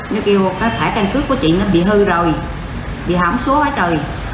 nếu kêu cái thải căn cứ của chị nó bị hư rồi bị hóng số hết rồi